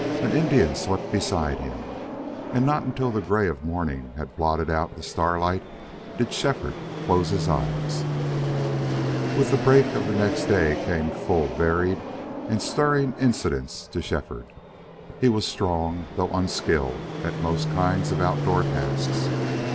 An Indian slept beside him. And not until the gray of morning had blotted out the starlight did Shefford close his eyes. ........... With break of the next day came full, varied, and stirring incidents to Shefford. He was strong, though unskilled at most kinds of outdoor tasks.